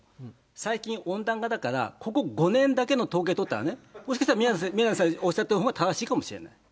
最近、温暖化だから、ここ５年だけの統計を取ったらね、もしかしたら宮根さんがおっしゃったほうが正しいかもしれない。